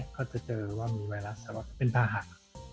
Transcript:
ก็จะเจอว่ามีไวรัสเป็นผ่าหัก